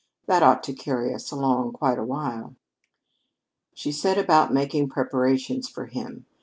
That ought to carry us along quite a while." She set about making preparations for him.